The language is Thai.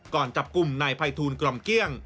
ก่อนจับกลุ่มนายภัยทูลกล่อมเกี้ยง